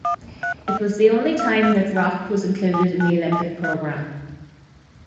It was the only time that roque was included in the Olympic program.